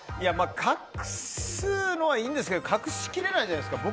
隠すのはいいんですけど隠し切れないじゃないですか。